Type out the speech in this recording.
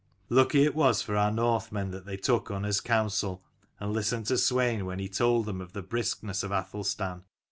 Lucky it was for our Northmen that they took Unna's counsel, and listened to Swein when he told them of the briskness of Athelstan.